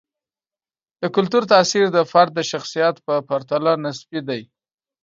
د کلتور تاثیر د فرد د شخصیت په پرتله نسبي دی.